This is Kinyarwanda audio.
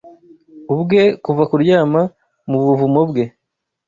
ubwe Kuva kuryama mu buvumo bwe